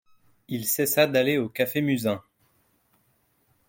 Il cessa d’aller au café Musain.